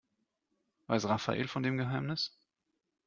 Weiß Rafael von dem Geheimnis?